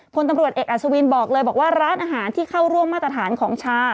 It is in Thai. พลตำรวจเอกอัศวินบอกเลยบอกว่าร้านอาหารที่เข้าร่วมมาตรฐานของชา